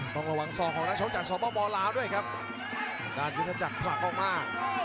ต้องระวังซอกของนักโชคจากสมบัติบอลลาด้วยครับด้านขึ้นจะจัดปลักออกมา